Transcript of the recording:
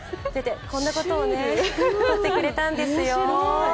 こんなことを撮ってくれたんですよ。